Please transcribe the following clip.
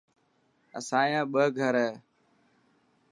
اسايا ٻه گھر هي.